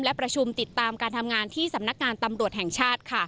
และประชุมติดตามการทำงานที่สำนักงานตำรวจแห่งชาติ